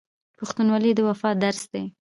پښتونولي د وفا درس دی.